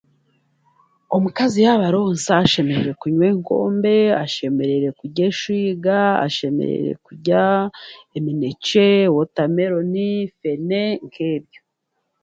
Omukaazi yaaba aronsa ashemereire kunywa enkombe, ashemereire kurya eshwiga, ashemereire kurya emineche, watermelon, fene, nkyebyo.